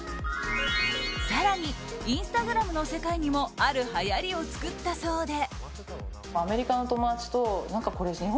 更に、インスタグラムの世界にもあるはやりを作ったそうで。